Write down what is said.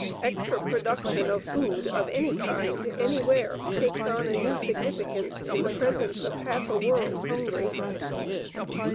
Extra production of food of any kind, anywhere, takes on a new significance in the presence of half a world hungry.